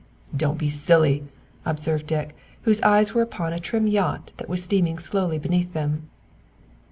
"Don't be silly," observed Dick, whose eyes were upon a trim yacht that was steaming slowly beneath them.